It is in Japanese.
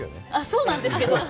そうなんですけど。